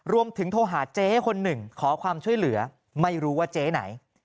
รวมถึงโทรหาเจ๊คนหนึ่งขอความช่วยเหลือไม่รู้ว่าเจ๊ไหน